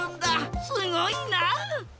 すごいな！